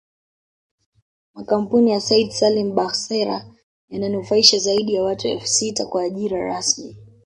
Makampuni ya Said Salim Bakhresa yananufaisha zaidi ya watu elfu sita kwa ajira rasmi